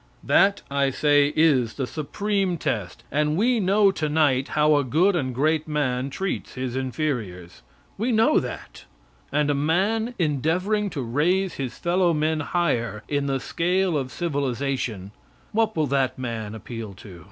That, I say, is the supreme test, and we know tonight how a good and great man treats his inferiors. We know that. And a man endeavoring to raise his fellow men higher in the scale of civilization what will that man appeal to?